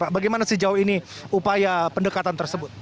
bagaimana sejauh ini upaya pendekatan tersebut